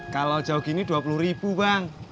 kalau jauh gini dua puluh ribu bang